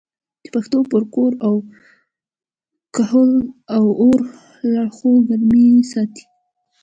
د پښتنو پر کور او کهول د اور لوخړې ګرمې ساتي.